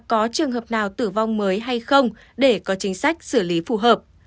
có trường hợp nào tử vong mới hay không để có chính sách xử lý phù hợp